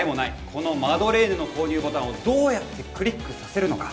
このマドレーヌの購入ボタンをどうやってクリックさせるのか